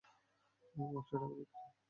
একশো টাকা বিক্রি!